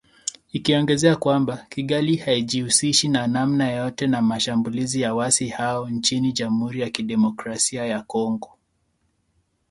Ikiongezea kwamba “Kigali haijihusishi kwa namna yoyote na mashambulizi ya waasi hao nchini Jamuhuri ya Kidemokrasia ya Kongo"